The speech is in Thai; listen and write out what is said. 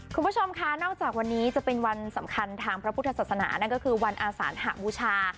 คุณผู้ชมค่ะนอกจากวันนี้จะเป็นวันสำคัญทางพระพุทธศาสนานั่นก็คือวันอาสานหบูชา